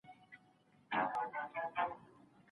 ایا ډېر چاڼ د لوړ ږغ سره دلته راوړل کیږي؟